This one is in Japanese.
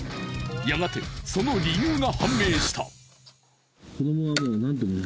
やがてその理由が判明した。